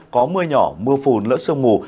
có mưa nhỏ mưa phùn lỡ sương mù